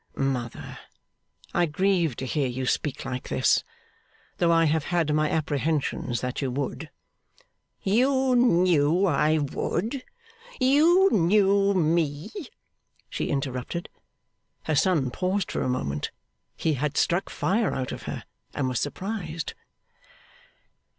'Mother, I grieve to hear you speak like this, though I have had my apprehensions that you would ' 'You knew I would. You knew me,' she interrupted. Her son paused for a moment. He had struck fire out of her, and was surprised.